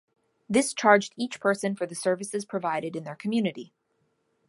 This charged each person for the services provided in their community.